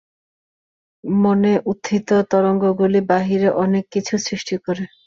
মনে উত্থিত তরঙ্গগুলি বাহিরে অনেক কিছু সৃষ্টি করে।